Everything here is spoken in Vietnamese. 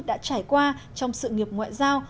đã trải qua trong sự nghiệp ngoại giao